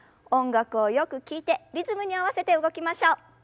音楽をよく聞いてリズムに合わせて動きましょう。